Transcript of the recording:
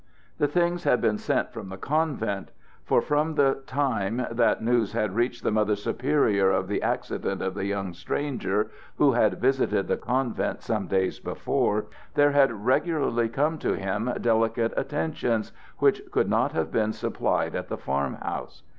The things had been sent from the convent; for, from the time that news had reached the Mother Superior of the accident of the young stranger who had visited the convent some days before, there had regularly come to him delicate attentions which could not have been supplied at the farm house.